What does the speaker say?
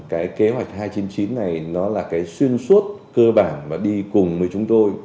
cái kế hoạch hai trăm chín mươi chín này nó là cái xuyên suốt cơ bản mà đi cùng với chúng tôi